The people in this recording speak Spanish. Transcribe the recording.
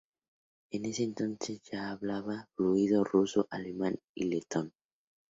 En ese entonces, ya hablaba fluidamente ruso, alemán y letón.